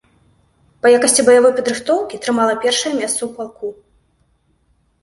Па якасці баявой падрыхтоўкі трымала першае месца ў палку.